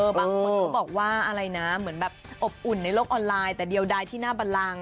คนคงบอกว่าอะไรนะอบอุ่นในโลกออนไลน์แต่เดียวใดที่หน้าบันรัง